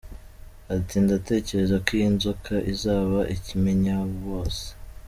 Ati “Ndatekereza ko iyi nzoka izaba ikimenyabose.